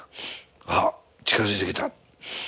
あっ近づいてきた。